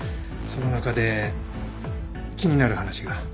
その中で気になる話が。